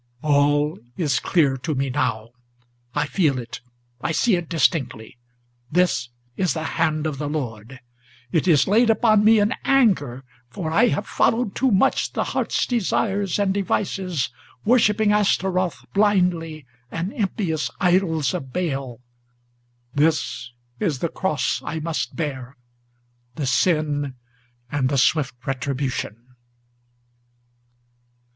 All is clear to me now; I feel it, I see it distinctly! This is the hand of the Lord; it is laid upon me in anger, For I have followed too much the heart's desires and devices, Worshipping Astaroth blindly, and impious idols of Baal. This is the cross I must bear; the sin and the swift retribution."